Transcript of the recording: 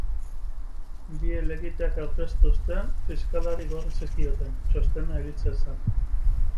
Bi helegiteak aurkeztu ostean, fiskalari igorri zizkioten, txostena egin zezan.